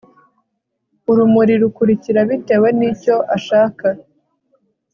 Urumuri rukurikira bitewe nicyo ashaka